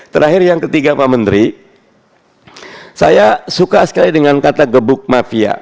terakhir yang ketiga pak menteri saya suka sekali dengan kata gebuk mafia